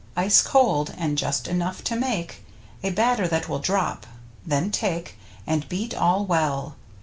Ice cold, and just enough to make A batter that will drop; then take And beat all well.